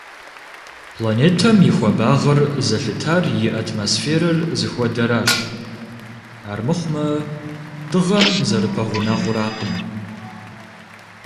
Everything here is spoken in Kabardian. Планетэм и хуэбагъыр зэлъытар и атмосферэр зыхуэдэращ, армыхъумэ Дыгъэм зэрыпэгъунэгъуракъым.